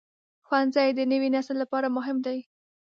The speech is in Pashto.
ښوونځی د نوي نسل لپاره مهم دی.